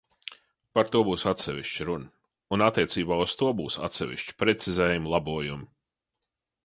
Par to būs atsevišķa runa, un attiecībā uz to būs atsevišķi precizējumi, labojumi.